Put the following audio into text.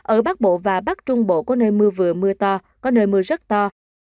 ở bắc bộ và bắc trung bộ có nơi mưa vừa mưa to có nơi mưa rất to